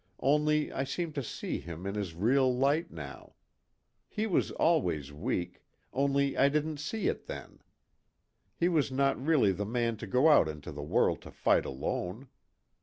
Only I seem to see him in his real light now. He was always weak, only I didn't see it then. He was not really the man to go out into the world to fight alone.